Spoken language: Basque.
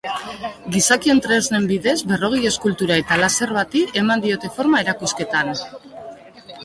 Gizakion tresnen bidez berrogei eskultura eta laser bati eman diote forma erakusketan.